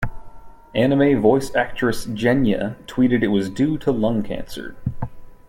Anime voice actress Jenya tweeted it was due to lung cancer.